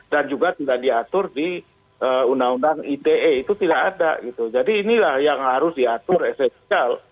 dan juga tidak diatur di undang undang ite itu tidak ada gitu jadi inilah yang harus diatur esensial